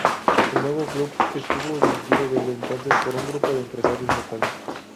El nuevo club estuvo dirigido desde entonces por un grupo de empresarios locales.